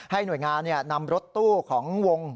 หน่วยงานนำรถตู้ของวง